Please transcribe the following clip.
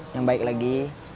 yang baik lagi